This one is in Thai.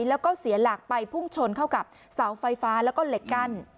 แล้วก็เสียหลักไปพุ่งชนเข้ากับเสาไฟฟ้าแล้วก็เหล็กกั้น